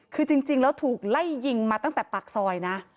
คือจริงแล้วถูกไล่ยิงมาตั้งแต่ปากซอยนะ